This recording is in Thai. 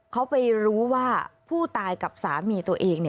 เขาไปรู้ว่าผู้ตายกับสามีตัวเอง